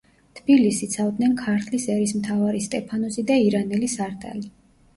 თბილისს იცავდნენ ქართლის ერისმთავარი სტეფანოზი და ირანელი სარდალი.